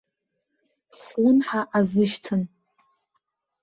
Слымҳа азышьҭын.